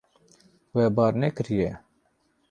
We bar nekiriye.